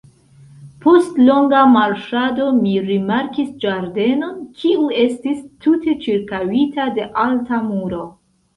Post longa marŝado mi rimarkis ĝardenon, kiu estis tute ĉirkaŭita de alta muro.